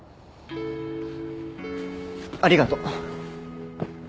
ありがと。